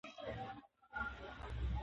احمدشاه بابا د افغانیت ویاړ وساته.